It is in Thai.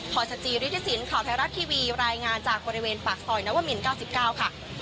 ชจิริฐศิลปข่าวไทยรัฐทีวีรายงานจากบริเวณปากซอยนวมิน๙๙ค่ะ